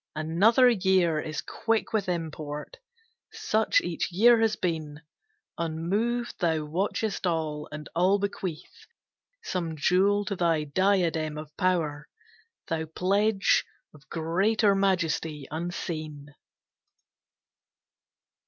Another year Is quick with import. Such each year has been. Unmoved thou watchest all, and all bequeath Some jewel to thy diadem of power, Thou pledge of greater majesty unseen.